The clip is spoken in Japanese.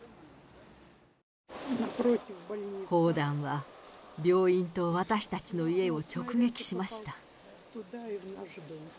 砲弾は病院と私たちの家を直撃しました。